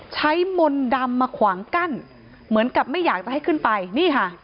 มนต์ดำมาขวางกั้นเหมือนกับไม่อยากจะให้ขึ้นไปนี่ค่ะ